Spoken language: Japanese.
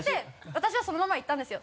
私はそのまま言ったんですよ。